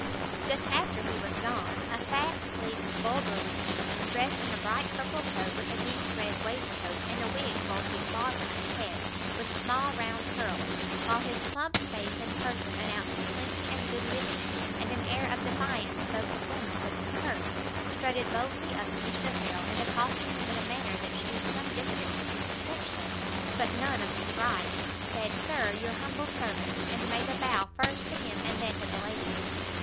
Just after he was gone, a fat, sleek, vulgar looking man, dressed in a bright purple coat, with a deep red waistcoat, and a wig bulging far from his head with small round curls, while his plump face and person announced plenty and good living, and an air of defiance spoke the fullness of his purse, strutted boldly up to Mr Harrel, and accosting him in a manner that shewed some diffidence of his reception, but none of his right, said "Sir your humble servant." And made a bow first to him, and then to the ladies.